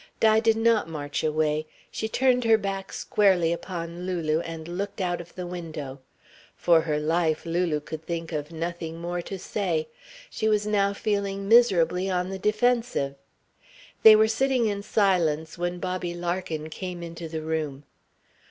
Di did not march away. She turned her back squarely upon Lulu, and looked out of the window. For her life Lulu could think of nothing more to say. She was now feeling miserably on the defensive. They were sitting in silence when Bobby Larkin came into the room.